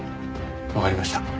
わかりました。